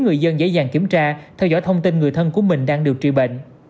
người dân dễ dàng kiểm tra theo dõi thông tin người thân của mình đang điều trị bệnh